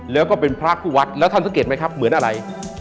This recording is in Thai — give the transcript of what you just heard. แล้วก็เป็นพระคู่วัดแล้วท่านสังเกตไหมครับเหมือนอะไร